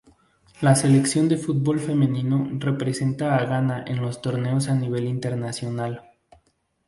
La selección de fútbol femenino representa a Ghana en los torneos a nivel internacional.